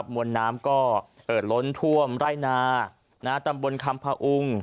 มวลน้ำก็เอ่อล้นท่วมไร่นาตำบลคำพาอุง